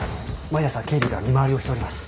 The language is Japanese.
毎朝警備が見回りをしております。